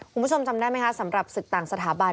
คุณผู้ชมจำได้ไหมคะสำหรับศึกต่างสถาบัน